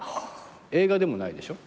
映画でもないでしょ？